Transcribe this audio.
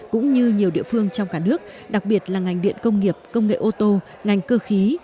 cũng như nhiều địa phương trong cả nước đặc biệt là ngành điện công nghiệp công nghệ ô tô ngành cơ khí